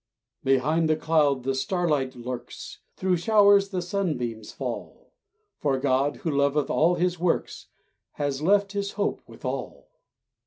Behind the cloud the starlight lurks, Through showers the sunbeams fall; For God, who loveth all his works, Has left his Hope with all!